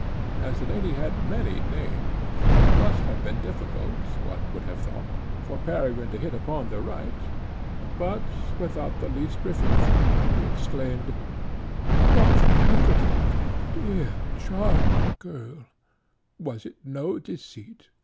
As the lady had many names, it must have been difficult, one would have thought, for Peregrine to hit upon the right, but, without the least reflection, he exclaimed, "Dörtje Elverdink! dear, charming girl; was it no deceit?